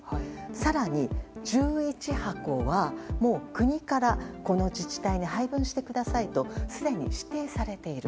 更に、１１箱はもう国からこの自治体に配分してくださいとすでに指定されている。